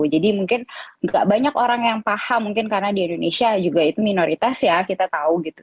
jadi mungkin tidak banyak orang yang paham mungkin karena di indonesia juga itu minoritas ya kita tahu gitu